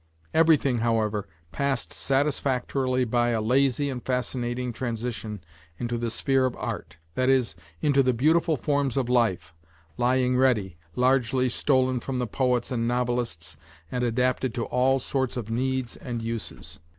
Everything, however, passed satisfactorily by a lazy and fascinating transition into the sphere of art, that is, into the beautiful forms of life, lying ready, largely stolen from the poets and novelists and adapted to all sorts of needs and uses.